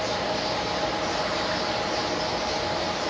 ต้องเติมเนี่ย